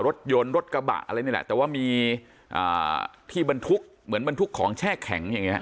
รถยนต์รถกระบะอะไรนี่แหละแต่ว่ามีอ่าที่บรรทุกเหมือนบรรทุกของแช่แข็งอย่างเงี้